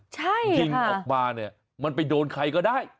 ยิงออกมาเนี่ยมันไปโดนใครก็ได้